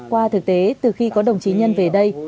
qua thực tế từ khi có đồng chí nhân về đây